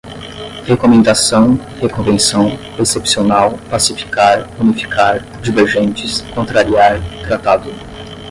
recomendação, reconvenção, excepcional, pacificar, unificar, divergentes, contrariar, tratado